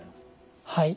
はい。